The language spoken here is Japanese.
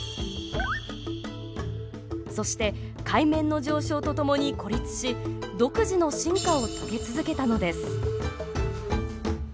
そして海面の上昇とともに孤立し独自の進化を遂げ続けたのです。